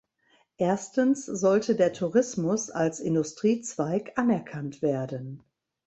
Erstens sollte der Tourismus als Industriezweig anerkannt werden.